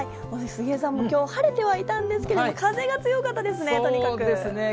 杉江さん、きょう、晴れてはいたんですけど、風が強かったですね、そうですね。